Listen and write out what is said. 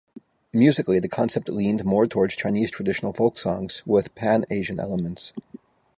Musically, the concept leaned more toward Chinese traditional folk songs with pan-Asian elements.